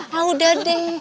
ya udah deh